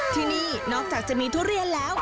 ที่นี่นอกจากจะมีทุเรียนแล้ว